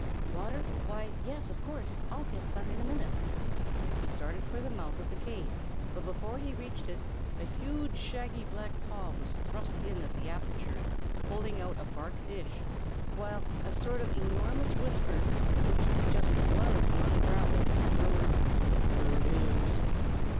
"Water? Why, yes, of course! I'll get some in a minute." He started for the mouth of the cave, but before he reached it, a huge, shaggy, black paw was thrust in at the aperture, holding out a bark dish, while a sort of enormous whisper, which just was not a growl, murmured, "Here it is!"